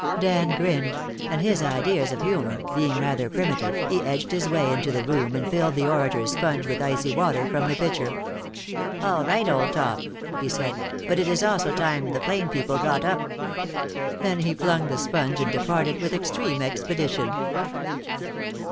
Dan grinned, and, his ideas of humor being rather primitive, he edged his way into the room and filled the orator's sponge with icy water from the pitcher. "All right, old top," he said, "but it is also time the plain people got up." Then he flung the sponge and departed with extreme expedition.